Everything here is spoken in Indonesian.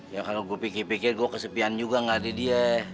ya kalo gua pikir pikir gua kesepian juga gak ada dia ya